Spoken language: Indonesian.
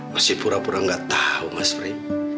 masih pura pura gak tau mas freko